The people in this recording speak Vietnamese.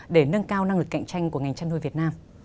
để nâng cao năng lực cạnh tranh của ngành chăn nuôi việt nam